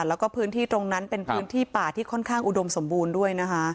แล้วก็พื้นที่ตรงนั้นเป็นพื้นที่ป่าที่ค่อนข้างอุดมสมบูรณ์ด้วยนะคะ